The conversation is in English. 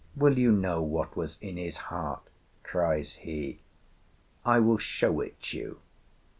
Will you know what was in his heart?'—cries he. 'I will show it you!